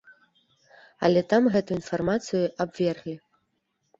Але там гэту інфармацыю абверглі.